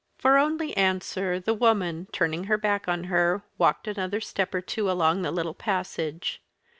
For only answer the woman, turning her back on her, walked another step or two along the little passage.